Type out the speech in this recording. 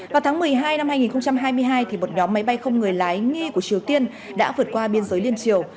vào tháng một mươi hai năm hai nghìn hai mươi hai một nhóm máy bay không người lái nghi của triều tiên đã vượt qua biên giới liên triều